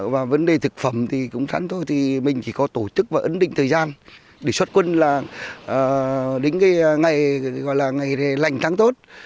và vấn đề thực phẩm thì cũng sẵn thôi thì mình chỉ có tổ chức và ấn định thời gian để xuất quân là đến cái ngày gọi là ngày lành tháng tốt